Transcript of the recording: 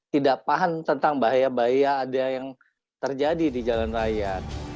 tidak paham tentang bahaya bahaya ada yang terjadi di jalan raya